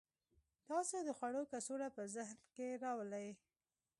تاسو د خوړو کڅوړه په ذهن کې راولئ